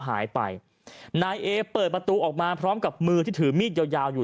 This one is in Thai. หายไปนายเอเปิดประตูออกมาพร้อมกับมือที่ถือมีดยาวยาวอยู่